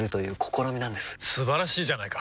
素晴らしいじゃないか！